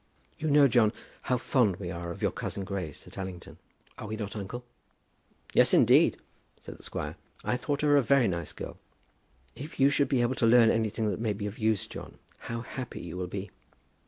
"You know, John, how fond we are of your cousin Grace, at Allington? Are we not, uncle?" "Yes, indeed," said the squire. "I thought her a very nice girl." "If you should be able to learn anything that may be of use, John, how happy you will be."